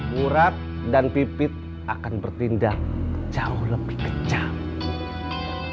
murad dan pipit akan bertindak jauh lebih kejam